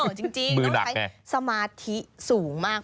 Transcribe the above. จริงต้องใช้สมาธิสูงมาก